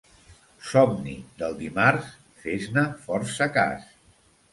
Somni del dimarts, fes-ne força cas.